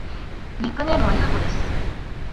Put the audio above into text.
ニックネームはゆうとです。